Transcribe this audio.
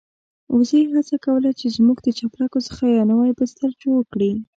وزې هڅه کوله چې زموږ د چپلکو څخه يو نوی بستر جوړ کړي.